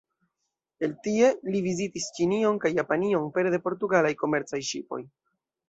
El tie, li vizitis Ĉinion kaj Japanion pere de portugalaj komercaj ŝipoj.